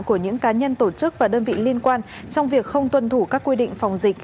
của những cá nhân tổ chức và đơn vị liên quan trong việc không tuân thủ các quy định phòng dịch